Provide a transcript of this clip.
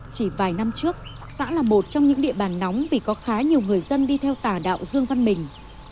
chỉ vài năm trước xã là một trong những địa bàn nóng vì có khá nhiều người dân đi theo tà đạo dương văn mình